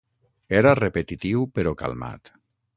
Era repetitiu, però calmat.